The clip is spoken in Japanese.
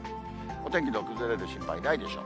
お天気の崩れる心配ないでしょう。